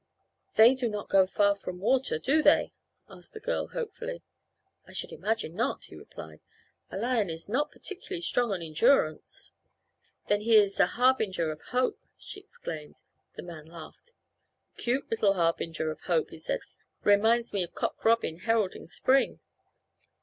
"They do not go far from water do they," asked the girl hopefully. "I should imagine not," he replied; "a lion is not particularly strong on endurance." "Then he is a harbinger of hope," she exclaimed. The man laughed. "Cute little harbinger of hope!" he said. "Reminds me of Cock Robin heralding spring."